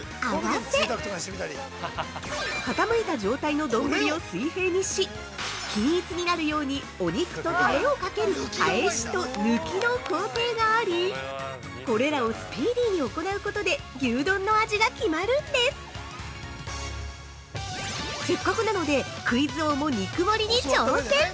「合わせ」傾いた状態の丼を水平にし均一になるようにお肉とタレをかける「返し」と「抜き」の工程がありこれらをスピーディーに行うことで牛丼の味が決まるんですせっかくなので、クイズ王も肉盛りに挑戦！